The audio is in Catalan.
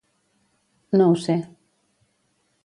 No ho sé